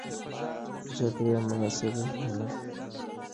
که چاپېریال مناسب نه وي، ماشومان د لوبو له فرصت محروم کېږي.